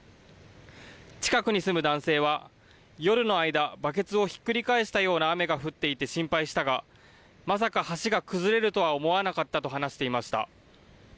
近くに住む男性は夜の間、バケツをひっくり返したような雨が降っていて心配したが、まさか橋が崩れるとは思わなかったと話していました。